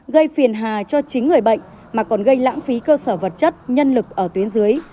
gây phiền hà cho chính người bệnh mà còn gây lãng phí cơ sở vật chất nhân lực ở tuyến dưới